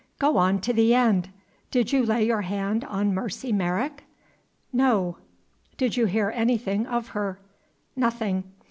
Go on to the end. Did you lay your hand on Mercy Merrick?" "No." "Did you hear anything of her?" "Nothing.